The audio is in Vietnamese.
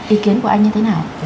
ý kiến của anh như thế nào